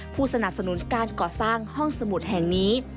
ผู้สนับสนุนการก่อสร้างห้องสมุดแห่งนี้